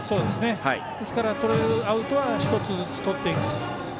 ですから、とれるアウトは１つずつとっていく。